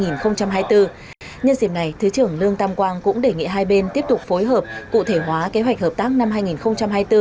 nhân dịp này thứ trưởng lương tam quang cũng đề nghị hai bên tiếp tục phối hợp cụ thể hóa kế hoạch hợp tác năm hai nghìn hai mươi bốn